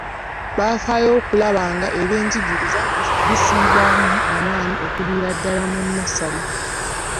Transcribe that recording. Bafaayo okulaba nga ebyenjigiriza bissibwamu amaanyi okuviira ddala mu nnassale.